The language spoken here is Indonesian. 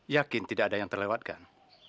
yakin tidak ada yang terlewatkan